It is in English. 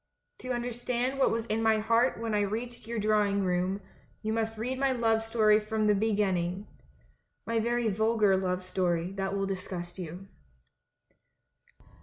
To understand what was in my heart when I reached your drawing room, you must read my love story from the beginning — my very vulgar love storj^ that will disgust you.